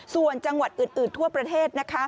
ส่วนจังหวัดอื่นทั่วประเทศนะคะ